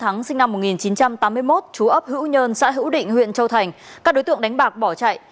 thắng sinh năm một nghìn chín trăm tám mươi một chú ấp hữu nhân xã hữu định huyện châu thành các đối tượng đánh bạc bỏ chạy